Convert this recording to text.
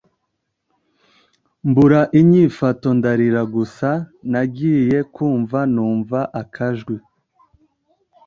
mbura inyifato ndarira gusa nagiye kumva numva akajwi